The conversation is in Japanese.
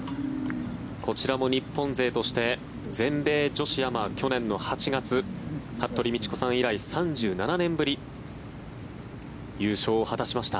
こちらも日本勢として全米女子アマ去年の８月、服部道子さん以来３７年ぶり優勝を果たしました。